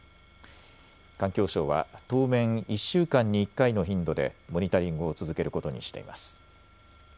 環境省は当面１週間に１回の頻度でモニタリングを続けることにしています。